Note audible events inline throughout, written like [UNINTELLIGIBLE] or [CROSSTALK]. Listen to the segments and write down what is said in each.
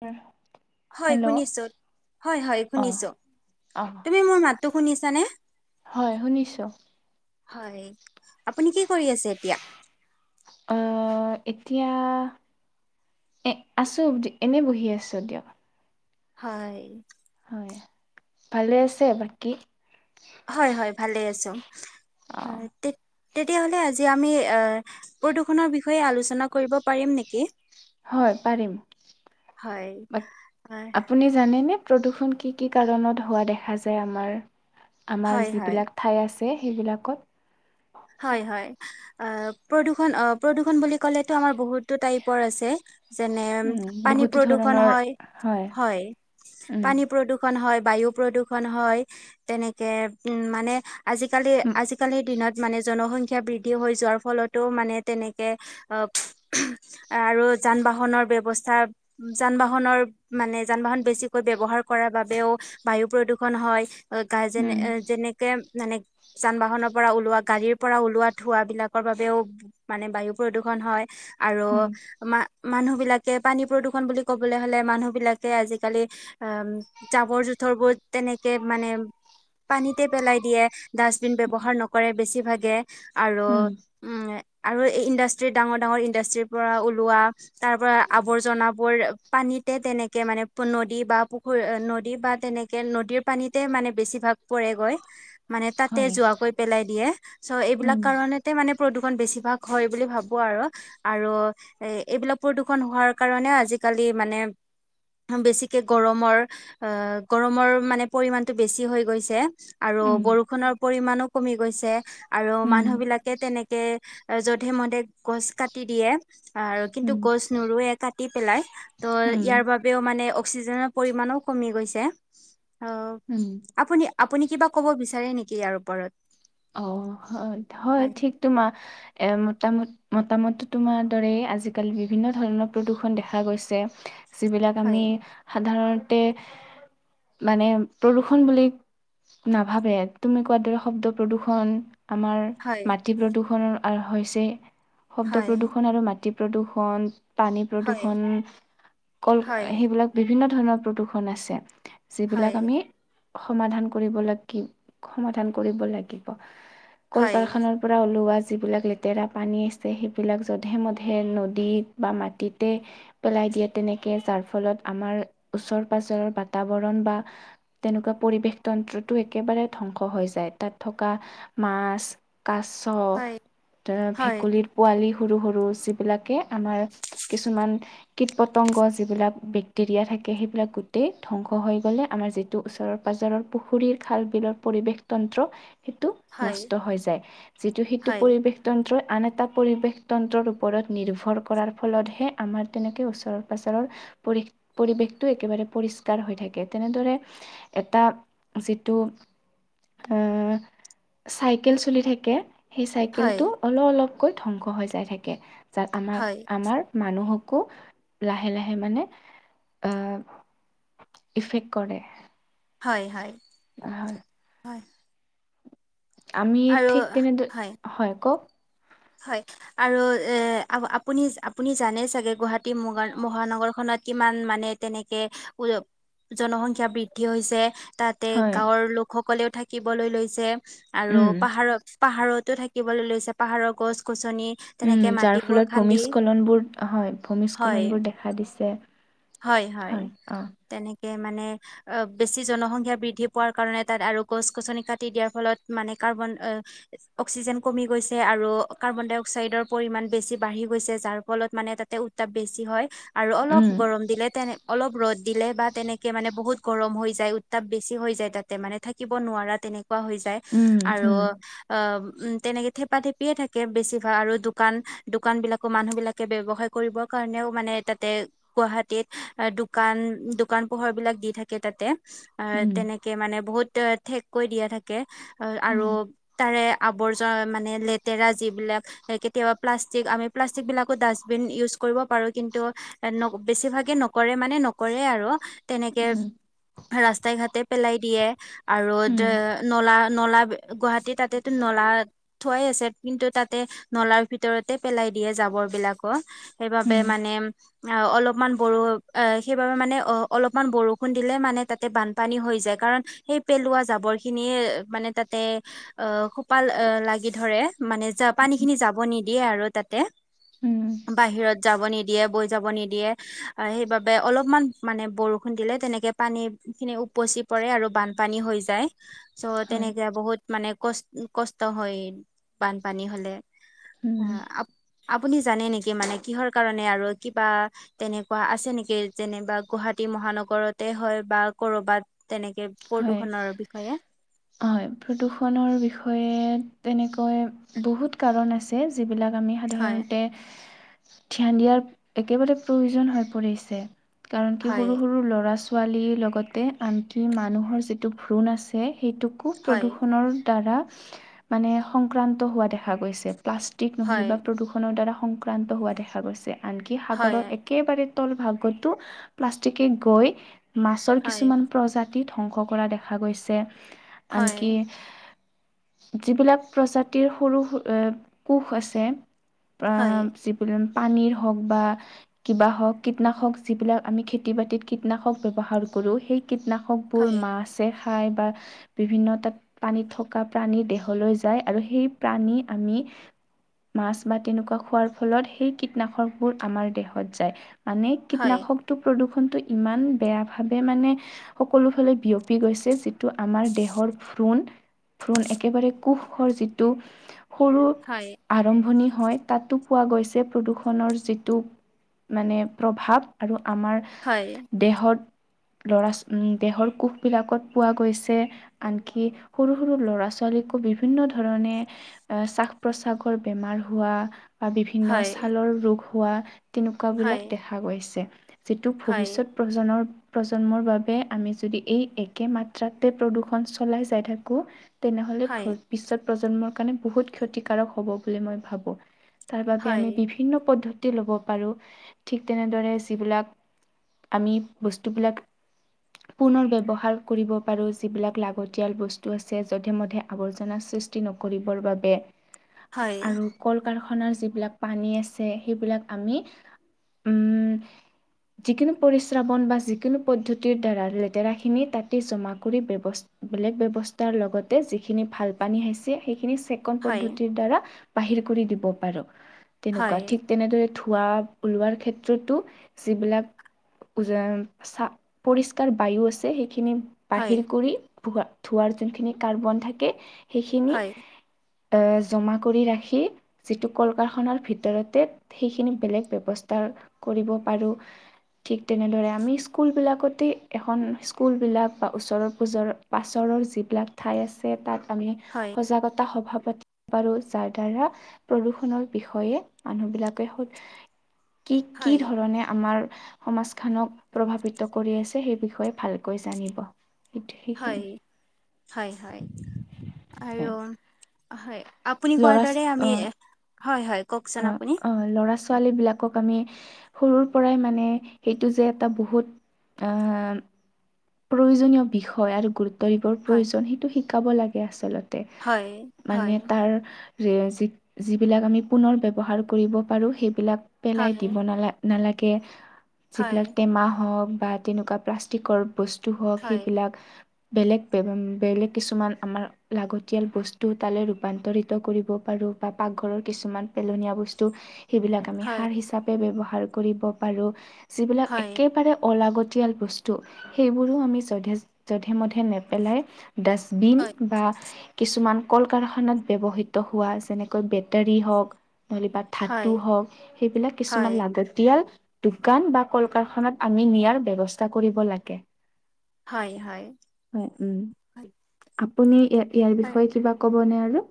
উম। হয় শুনিছো, হয় হয়, অ শুনিছো, অ তুমি মোৰ মাতো শুনিছানে? হয় শুনিছোঁ। হয় আপুনি কি কৰি আছে এতিয়া আহ এতিয়া এ আছোঁ এনেই বহি আছো দিয়ক। হয়। হয় ভালে আছে বাকী। হয়, হয় ভালে আছো। অ তে তেতিয়াাহলে আজি আমি এ প্ৰদূৰ্ষনৰৰ বিষয়ে আলোচনা কৰিব পাৰিম নেকি হয় পাৰিম। হয়। হয় আপুনি জানে ন', প্ৰদূষণ কি কি কাৰণত হোৱা দেখা যায় আমাৰ আমাৰ হয়, যিবিলাক ঠাই আছে সেইবিলাকত হয় হয়। অ প্ৰদূষণ অ প্ৰদূৰণ বুলি ক'লেতো আমাৰ বহুতো টাইপৰ আছে যে উম পানী বহুতো প্ৰদূষণ ধৰণৰ হয় হয়, উম পান প্ৰদূষণ হয়। বায়ু প্ৰদূষণ হয় তেনেকে মানে আজিকালি উম আজিকালিৰ দিনত মানে জনসংখ্যা বৃদ্ধি হৈ যোৱাৰ ফলতো মানে তেনেকে অ আৰু যান বাহনৰ ব্য্ৱস্থা যান বাহনৰ মানে যান বাহন বেছিকৈ ব্য্য়ৱহাৰ কৰাৰ বাবেও বায়ু প্ৰদূষণ হয় গ যেনে উম যেনেকে মানে যান বাহনৰ পৰা ওলোৱা গাড়ীৰ পৰা ওলোৱা ধোৱাঁবলাকৰ বাবেও মানে বায়ু প্ৰদূষণ হয়। আৰু উম আমা মানুহ বিলাকে পানী প্ৰদূষন বুলি ক'বলৈ হলে মানুহ বিলাকে আজিকালি অ জাবৰ বত [UNINTELLIGIBLE] তেনেকে মানে পানীতে পেলাই দিয়ে ডাষ্টবিন ব্যৱহাৰ নকৰে বেছিভাগে। আৰু উম উম। আৰু এই ইণ্ডাষ্ট্ৰি ডাঙৰ ডাঙৰ ইণ্ডাষ্ট্ৰিৰ পৰা ওলোৱা তাৰ পৰা আৱৰ্জনাবোৰ পানী তেনেকে মানে নদী বা পুখুৰী নদী বা তেনেকে নদীৰ পানীতে মানে বেছিভাগ পৰেগৈ মানে তাতে হয় যোৱাকৈ উম প্ৰদূৰষণ বেছিভাগ হয় বুলি ভাবো আৰু আৰু এ এইবিলাক প্ৰদূষণ হোৱাৰ কাৰণে আজিকালি মানে বেছিকে গৰমৰ অ', গৰমৰ মানে পৰিমানণটো বেছি হৈ গৈছে। আৰু উম বৰষুণৰ পৰিমানো কমি গৈছে আৰু উম মানুহ বিলাকে তেনেকে যধে মধে গছ কাটি দিয়ে আৰু কিন্তু উম গছ নৰুোৱে কাটি পেলাই ত' উম ইয়াৰ বাবেও মানে অক্সিজেনৰ পৰিমাণো কমি গৈছে অ উম আপুনি আপুনি কিবা ক'ব বিচাৰে নেকি ইয়াৰ ওপৰত অ', হয় হয় ঠিক তোমাৰ এ মোটামুট মতামত তোমাৰ দৰে আজিকালি বিভিন্ন ধৰণৰ প্ৰদূৰণ দেখা গৈছে যিবিলাক আমি হয় সাধাৰণতে মানে প্ৰদূষন বুলি নাভাবে তুমি কোৱাৰ দৰে শব্দ প্ৰদূষণ আমাৰ হয় মাটি প্ৰদূষণৰ হৈছে। শব্দ হয় প্ৰদূষণ আৰু মাটি প্ৰদূষণ। পানী হয় প্ৰদূৰ্ষন কল হয় সেইবিলাক বিভিন্ন ধৰণৰ প্ৰদূৰ্ষন আছে। যিবিলাক হয় আমি সমাধান কৰিব লাগিব সমাধান কৰিব লাগিব কল হয় কাৰখানাৰ পৰা ওলোৱা যিবিলাক লেতেৰা পানী আছে, সেইবিলাক জধে মধে নদীত বা মাটিটে পেলাই দিয়ে তেনেকে যাৰ ফলত আমাৰ ওচৰ পাজৰৰ বাতাবৰণ বা তেনেকুৱা পৰিৱেশ দেশতন্ত্ৰটো একেবাৰে ধ্বংস হৈ যায় তাত থকা মাছ কাছ হয় হয় ভেকুলীত পোৱালি ৰু সৰু যিবিলাকে আমাৰ কিছুমান ক পতংগ যিবিলাক বেক্টৰিয়া থাক সেইবিলাক গোটেই ধ্বংস হৈ গলে আমাৰ যিটো ওচৰৰ পাজৰৰ পুখুৰীৰ খাল বিলৰ পৰিৱেশ হয় ন হৈ যায় যিটো সেইটো হয় পৰিৱেশ তন্ত্ৰ আন এটা পৰিৱেশ তন্ত্ৰৰ ওপৰত নিৰ্ভৰ কৰাৰ ফলতহে আমাৰ তেনেকৈ ওচৰৰ পাঁজৰৰ পৰি পৰিৱেশটো একেবাৰে পৰিষ্কাৰ হৈ থাকে তেনেদৰে এটা যিটো উম চাইকেল চলি থাকে সেই হয় চাইকেলটো অলপ অলপকৈ ধ্বংস হৈ যাই থাকে যাত আমাৰ হয় আমাৰ মানুহক লাহে লাহে মানে আহ ইফেক্ট কৰে হয় হয় হয় হয় আমি আৰু ঠিক তেনে হয় কওক হয় আৰু এ আপুনি আপুনি জানে চাগে গুৱাহ িগ মহানগৰ খনত কিমান মানে তেনেকে উ জনসংখ্য্া বৃদ্ধি হৈছে তাতে হয় গাঁৱৰ লোকসকলেও থাকিবলৈ লৈছে আৰু উম পাহাৰত পাহাৰতো থাকিবলৈ লৈছে পাহাৰৰ গছ গছ উম যাৰ ফলত ভূমিস্খলন বোৰ হয় হয় ভূমিস্খলন বোৰ দেখা দিছে হয় হয় তেনেকে মানে অ বেছি জনসংখ্য্া বৃদ্ধি পোৱাৰ কাৰণে তাত আৰু গছ গছনি কাটি দিয়াৰ ফলত মানে কাৰ্বন অক্সিজেন কমি গৈছে আৰু কাৰ্বন ডাই অক্সাইডৰ পৰিমণ বেছি বাঢ়ি গৈছে যাৰ ফলত মানে তাতে উত্তাপ বেছি হয় আৰু অলপ উম গৰম দিলে তেনে অলপ ৰ'দ দিলে বা তেনেকে মানে বহুত গৰম হৈ যায় উত্তাপ বেছি হৈ যায় তাতে মানে থাকিব নোৱাৰা তেনেকে হৈ যায় উম আৰু হম অ উ তেনেকে থেপা থেপিয়ে থাকে বেছি ভাল আৰু দোকান দোকান বিলাকো মানুহ বিলাকে ব্ৱসায় কৰিবৰ কাৰণেও মানে তাতে গুৱাহাটীত দোকান দোকান পোহৰ বিলাক দি থাকে তাতে অ উম তেনেকে মানে বহুত ঠেক কৈ দিয়া থাকে অ আৰু উম তাৰে আৱৰ্জা মানে লেতেৰা যিবিলাক কেতিয়াবা প্লাষ্টিক আমি প্লাষ্টিক বিলাকো ডাষ্টবিন ইউজ কৰিব পাৰো কিন্তু বেছিভাগে নকৰে মানে নকৰে আৰু তেনেকে উম ৰাস্তাই ঘাটে পেলাই দিয়ে আৰু উম নলা নলা গুৱাহাটী তাতেতো নলা থোৱাই আছে কিন্তু তাতে নলাৰ ভিতৰতে পেলাই দিয়ে জাবৰ বিলাকো সেইবাবে উম মানে অ অলপমান বৰ অ সেইবাবে মানে অ অলপমান বৰষুণ দিলে মানে তাতে বানপানী হৈ যায় কাৰণ সেই পেলোৱা জাবৰ খিনিয়ে মানে তাতে অ খোপা লাগি ধৰে। মানে য পানী খিনি যাব নিদিয়ে আৰু তাতে উম বাহিৰত যাব নিদিয়ে বৈ যাব নিদিয়ে সেইবাবে অলপমান মানে বৰষুণ দিলে তেনেকে পানী খিনি উপচি পৰে আৰু বানপানী হৈ যায় চ' হয় তেনেকে বহুত মানে কষ্ট কষ্ট হয় বানপানী হলে উম আপ আপুনি জানে নেকি মানে কিহৰ কাৰণে আৰু কিবা তেনেকুৱা আছে নেকি যেনেবা গুৱাহাটী মহানগৰতে হয় বা কৰবাত তেনেকে হয় প্ৰদূষণৰ বিষয়ে হয় প্ৰদূষণৰ বিষয়ে তেনেকৈ বহুত কাৰণ আছে যিবিলাক আমি হয় সাধাৰণতে ধ্যান দিয়াৰ একেবাৰে প্ৰয়োজন হৈ পৰিছে কাৰণ কি হয় সৰু সৰু ল'ৰা ছ ছোৱালীৰ লগতে আনকি মানুহৰ যিটো ভ্ৰূণ আছে সেইটোকো হয় প্ৰদূষণৰ দ্বাৰা মানে সংক্ৰান্ত হোৱা দেখা গৈছে প্লাষ্টিক নহ'লে হয় বা প্ৰদূষণৰ দ্বাৰা সংক্ৰান্ত হোৱা দেখা গৈছে আনকি হয় সাগৰত একেবাৰে ল ভাগতো প্লাষ্টিকে গৈ মাছৰ হয় কিছুমান প্ৰজা ধ্বংস কৰা দেখা গৈছে হয় আনকি যিবিলাক প্ৰজাতিৰ সৰু কোষ আছে প্ৰ হয় চিপুলিন পানীৰ হওক বা কিবা হওক কীটনাশক যিবিলাক আমি খেতি বাতিত কীটনাশক ব্যৱহাৰ কৰোঁ কৰো সেই কীটনাশকবোৰ হয় মা আছে খঠাই বা বিভিন্ন তাত পানীত থকা প্ৰাণী দেহলৈ যায় আৰু সেই প্ৰাণী আমি মাছ বা তেনেকুৱা খোৱাৰ ফলত সেই কীটনাশকবোৰ আমাৰ দেহত যায় মানে হয় কীটনাশকটো প্ৰদূৰ্ষণতটো ইমান বেয়া ভাবেে মানে সকলো ফালে বিয়পি গৈছে যিটো আমাৰ দেহৰ ভ্ৰণ ফ্ৰণ একেবাৰে কোষৰ যিটো সৰু হয় আৰম্ভণি হয় তাতো পোৱা গৈছে প্ৰদূষণৰ যিটো মানে প্ৰভাৱ আৰু আমাৰ দেহত ল'ৰা উম দেহৰ কোষবিলাকত পোৱা গৈছে আনকি সৰু সৰু ল'ৰা ছোৱালীকো বিভিন্ন ো ধৰণে এ শ্বাস প্ৰশ্বাসৰ বেমাৰ হোৱা বা বিভিন্ন ছালৰ ৰোগ হোৱা তেনেকুৱাবিলাক দেখা গৈছে যিটো ভৱিষ্যত প্ৰজন্নৰ প্ৰজন্মৰ বাবে আমি যদি এই একে মাত্ৰাতে প্ৰদূৰণ চলাই যাই থাকো তেনেহলে বিশ্বত প্ৰজন্মৰ কাৰণে বহুত ক্ষতিকাৰক হ'ব বুলি মই ভাবো তাৰ বাবে আমি বিভিন্ন পদ্ধতি ল'ব পাৰোঁ ঠিক তেনেদৰে যিবিলাক আমি বস্তুবিলাক পুনৰ ব্য্ৱহাৰ কৰিব পাৰো যিবিলাক লাগতিয়াল বস্তু আছে যধে মধে আৱৰ্জনা সৃষ্ট খ যিবিলাক পানী আছে সেইবিলাক আমি উম যিকোনো পৰিশ্ৰাৱণ বা যিকোনো পদ্ধতি ব পানী আহিছে সেইখিনি ৰ দা ব দ প তেনেকুৱা তেনে খোৱা ওলোৱাৰ ক্ষেত্ৰতো যিবিলাক উজ চা পৰিষ্কাৰ বায়ু আছে সেইখিনি বাহিৰ কৰি ভ ধোৱাৰ যোনখিনি কাৰ্বন থাকে সেইখিনি জমা কৰি ৰাখি যিটো কল কাৰখানাৰ ভিতৰতে সেইখিনি বেলেগ ব্যৱস্থাৰ কৰিব পাৰো ঠিক তেনেদৰে আমি স্কুল বিলাকত গোটেই এখন স্কুলবিলাক বা ওচৰৰ পুজৰৰ পাছৰৰ যিবিলাক ঠাই আছে তাত আমি সজাগতা সভাৱ তি পাৰো যাৰ দ্বাৰা প্ৰদূষণৰ বিষয়ে মানুহ বিলাকে কি কি ধৰণে আমাৰ সমাজ খক প্ৰভাৱিত কৰি আছে সেই বিষয়ে ভালকৈ জানিব সেইটো সেইখিনি হয় হয় হয় আৰু হয়। হয় আপুনি কোৱাৰ ল'ৰা দৰে ছ- আমি অ হয় হয় কওকচোন অ আপুনি অ ল'ৰা ছোৱ ছোৱালবিলাকক আমি সৰুৰ পৰাই মানে সেইটো যে এটা বহুত আহ প্ৰয়োজনীয় বিষয় আৰু গুৰুত্ব দিবৰ হয় প্ৰয়োজন সেইটো শিকাব লাগে আচলতে হয় মানে হয় তাৰ যি যিবিলাক আমি পুনৰ ব্যৱহাৰ কৰিব পাৰোঁ সেইবিলাক পেলাই হয় দিব নালাগে নালাগে হয় যিবিলাক টেমা হওক বা তেনেকুৱা প্লাষ্টিকৰ বস্তু হওক হয় সেইবিলাক বেলেগ বেলেগ কিছুমান আমাৰ লাগতিয়াল বস্তু তালে ৰূপান্তৰিত কৰিব পাৰি। আৰু বা পাকঘৰৰ কিছুমান পেলনীয়া বস্তু সেইবিলাক আমি হয় সাৰ হিচাপে ব্যৱহাৰ কৰিব পাৰোঁ যিবিলাক হয় একেবাৰে অলাগত য়াল বস্তু সেইবোৰো আমি যধে যধে মধে নেপেলাই ডাষ্টবিন হয় হয় হয় বা কিছুমান ক ককল কাৰখানাত ব্যৱহৃত হোৱা যেনেকৈ বেটাৰী হওক ন লবা ধাতু হওক সেইবিলাক কিছুমান হয় লাগতিয়াল দোকান বা কল কাৰখানাত আমি নিয়াৰ ব্য্ৱস্থা কৰিব লাগে হয় হয় উ আপুনি ইয়াৰ হয় বিষয়ে কিবা ক'বনে আৰু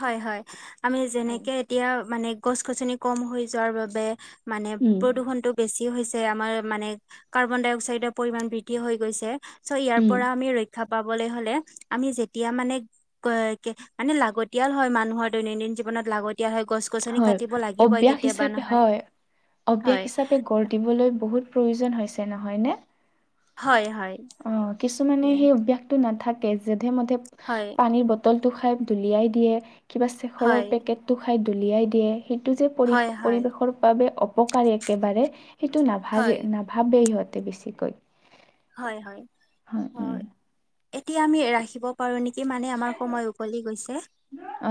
হয় হয় আমি যেনেকে এতিয়া মানে গছ গছনি কম হৈ যোৱাৰ বাবে মানে উম, প্ৰদূষণতটো বেছি হৈছে আমাৰ মানে কাৰ্বন ডাই অক্সাইডৰ পৰিমণ বৃদ্ধি হৈ গৈছে চ' ইয়াৰ উম, পৰা আমি ৰক্ষা পাবলৈ হ'লে আমি যেতিয়া মানে মানে লাগতি তেতিয়াল হয় মানুহৰ দৈনন্দিন জীৱনত লাগতিয়াল হয় গছ গছনি হয়। কাটিব লাগিবই অভ্যাস কেতিয়াবা হিচাপে নহয় হয়, অভ্যাস হয় হিচাপে গঢ় দিবলৈ বহুত প্ৰয়োজন হৈছে নহয়নে হয় হয় অ কিছুমানে সেই অভ্য়াসটো নাথাকে যেেধে মধে হয় পানীৰ বটল টো খাই দুলিয়াই দিয়ে কিবা চেখৰৰ হয় পেকেটটো খাই দুলিয়াই দিয়ে সেইটো যে পৰি হয় হয় পৰিৱেশৰ বাবে অপকাৰী একেবাৰে সেইটো নাভাগে হয় নাভাবেেই সিহঁতে বেছিকৈ হয় হয় হয় উ এতিয়া আমি ৰাখিব পাৰো নেকি মানে আমাৰ সময় উকলি গৈছে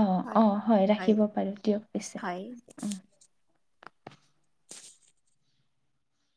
অ অ হয় ৰাখিব পাৰো দিয়ক পিছে হয় উ